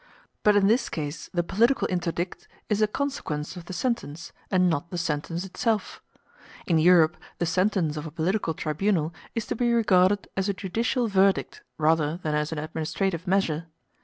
But in this case the political interdict is a consequence of the sentence, and not the sentence itself. In Europe the sentence of a political tribunal is to be regarded as a judicial verdict rather than as an administrative measure.